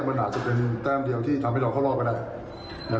มันอาจจะเป็นแต้มเดียวที่ทำให้เราเข้ารอดก็ได้